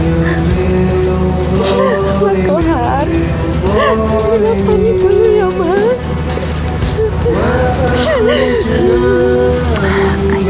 apapun yang hidup pasti akan mati